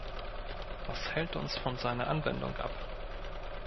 Was hält uns von seiner Anwendung ab?